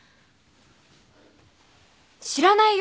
知らないよ